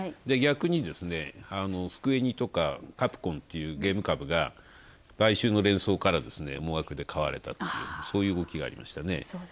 逆にスクエニとかカプコンっていうゲーム株が買収の連想からおもわくで買われたというそういう動きがありましたね。